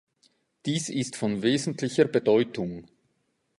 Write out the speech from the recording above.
Dies ist von wesentlicher Bedeutung.